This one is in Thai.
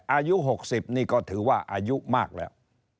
อายุ๖๐นี่ก็ถือว่าอายุมากแล้ว